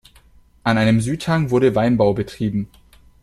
An seinem Südhang wurde Weinbau betrieben.